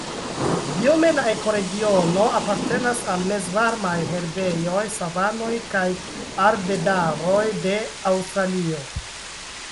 Biome la ekoregiono apartenas al mezvarmaj herbejoj, savanoj kaj arbedaroj de Aŭstralio.